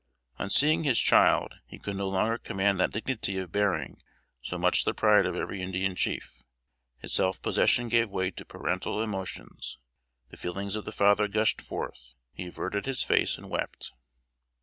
On seeing his child, he could no longer command that dignity of bearing so much the pride of every Indian chief. His self possession gave way to parental emotions; the feelings of the father gushed forth; he averted his face and wept.